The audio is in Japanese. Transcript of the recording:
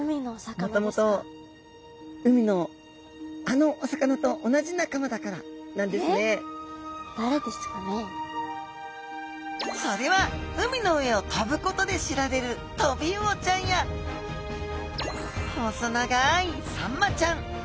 もともと海のあのお魚と同じ仲間だからなんですね。え！？それは海の上を飛ぶことで知られるトビウオちゃんや細長いサンマちゃん。